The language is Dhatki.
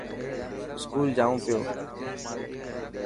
اسڪول جائي پيو.